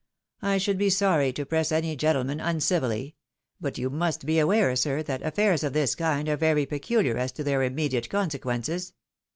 I should be sorry to press any gentleman uncivilly ; but you must be aware, sir, that affairs of this kind are very peculiar as to their immediate con sequences.